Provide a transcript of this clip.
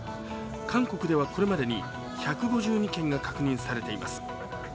韓国ではこれまでに１５２件が確認されています。